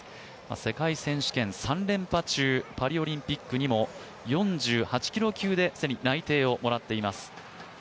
世界選手権３連覇中、パリオリンピックにも４８キロ級で既に内定をもらっています。